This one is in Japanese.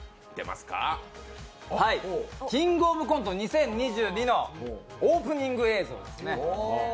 「キングオブコント２０２２」のオープニング映像ですね。